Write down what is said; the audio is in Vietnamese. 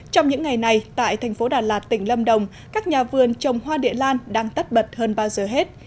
trong những ngày này tại thành phố đà lạt tỉnh lâm đồng các nhà vườn trồng hoa địa lan đang tắt bật hơn bao giờ hết